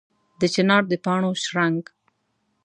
د چنار د پاڼو شرنګ